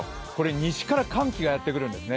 西から寒気がやってくるんですね。